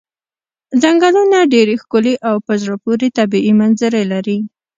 څنګلونه ډېرې ښکلې او په زړه پورې طبیعي منظرې لري.